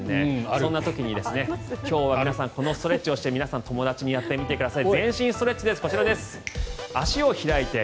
そんな時に今日は皆さんこのストレッチをして皆さん友達にやってみてください。